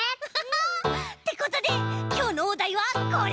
ことできょうのおだいはこれ！